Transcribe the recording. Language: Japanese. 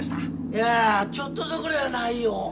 いやちょっとどころやないよ。